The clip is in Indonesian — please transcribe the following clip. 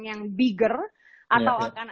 yang bigger atau akan